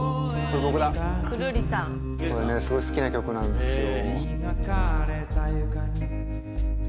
これねすごい好きな曲なんですよ